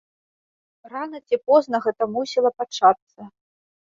Рана ці позна гэта мусіла пачацца.